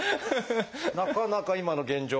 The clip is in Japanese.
なかなか今の現状。